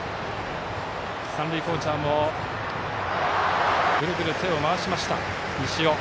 三塁コーチャーもぐるぐる手を回しました、西尾。